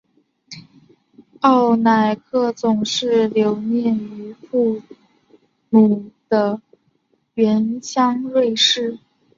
奥乃格总是留恋于父母的原乡瑞士。